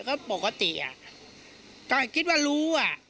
ก็ปกติอ่ะก็คิดว่ารู้อ่ะ